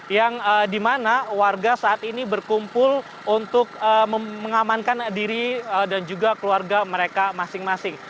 yang dimana warga saat ini berkumpul untuk mengamankan diri dan juga keluarga mereka masing masing